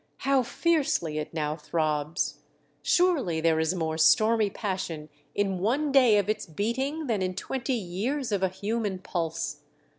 How fiercely it now throbs ! Surely there is more stormy passion in one day of its beating than in twenty years of a human pulse!